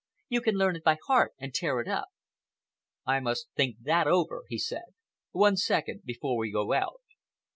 You can learn it by heart and tear it up." "I must think that over," he said. "One second before we go out."